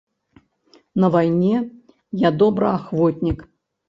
На вайне я добраахвотнік.